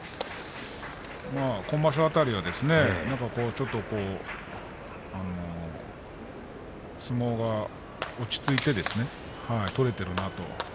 今場所辺りはちょっと相撲が落ち着いて取れているなと。